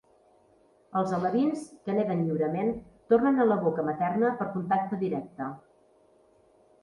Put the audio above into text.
Els alevins, que neden lliurement, tornen a la boca materna per contacte directe.